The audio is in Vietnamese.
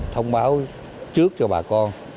thông báo trước cho bà con